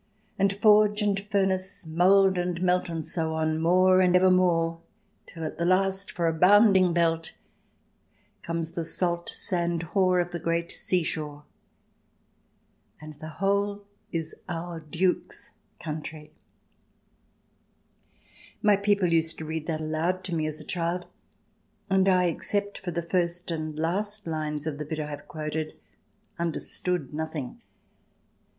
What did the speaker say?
And forge and furnace, mould and melt. 173 174 THE DESIRABLE ALIEN [ch. xiii And so on, more and ever more, Till at the last, for a bounding belt, Comes the salt sand hoar of the great sea shore, ... And the whole is our Duke's country I" ■ My people used to read that aloud to me as a child, and I, except for the first and last lines of the bit I have quoted, understood nothing.